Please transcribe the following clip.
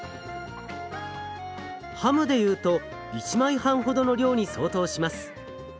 ハムでいうと１枚半ほどの量に相当します。